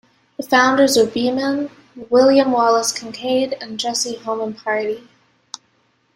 The founders were Beeman, William Wallace Kincaid and Jesse Homan Pardee.